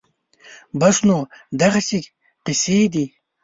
بس نو دغسې قېصې دي